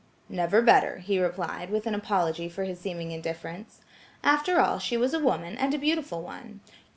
"Never better," he replied, with an apology for his seeming indifference. After all she was a woman, and a beautiful one.